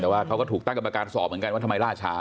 แต่ว่าเขาก็ถูกตั้งกรรมการสอบเหมือนกันว่าทำไมล่าช้า